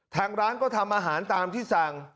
ทางร้านก็ทำอาหารตามที่สั่ง